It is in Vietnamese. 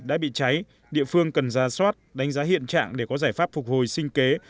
đã bị cháy địa phương cần ra soát đánh giá hiện trạng để có giải pháp phục hồi sinh kế